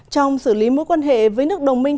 trong xử lý mối quan hệ với nước đồng minh